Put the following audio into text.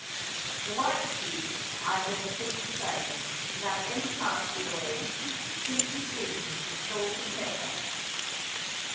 The white stew I am going to finish plain, without any parsley or egg simply seasoned with salt and pepper.